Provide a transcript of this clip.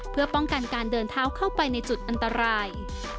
เพื่อป้องกันการเดินเท้าเข้าไปในจุดอันตราย